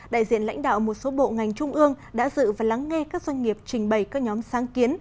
đại diện lãnh đạo một số bộ ngành trung ương đã dự và lắng nghe các doanh nghiệp trình bày các nhóm sáng kiến